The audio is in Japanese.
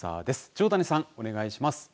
条谷さんお願いします。